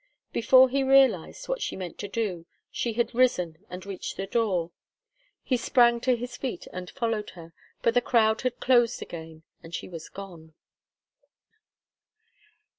Before he realized what she meant to do, she had risen and reached the door. He sprang to his feet and followed her, but the crowd had closed again and she was gone.